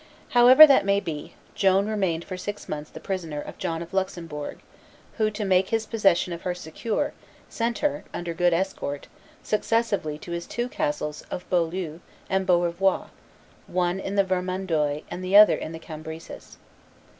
However that may be, Joan remained for six months the prisoner of John of Luxembourg, who, to make his possession of her secure, sent her, under good escort, successively to his two castles of Beaulieu and Beaurevoir, one in the Vermandois and the other in the Cambresis.